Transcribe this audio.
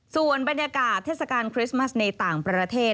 ส่วนบรรยากาศอาจารย์คลิสตาในต่างประเทศ